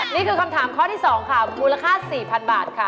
นี่คือคำถามข้อที่๒ค่ะมูลค่า๔๐๐๐บาทค่ะ